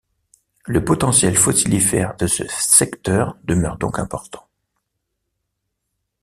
Le potentiel fossilifère de ce secteur demeure donc important.